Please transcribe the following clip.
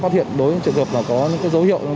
phát hiện đối với trường hợp là có dấu hiệu